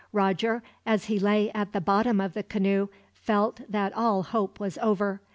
Roger, as he lay at the bottom of the canoe, felt that all hope was over.